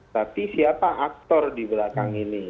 tapi siapa aktor di belakang ini